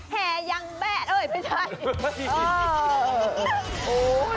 แห่ยังแบะเอ้ยไม่ใช่